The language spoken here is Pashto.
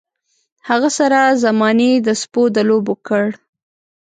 هغه سر زمانې د سپو د لوبو کړ.